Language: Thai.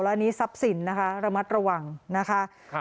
และนี่ซับสินนะฮะระมัดระหว่างนะคะ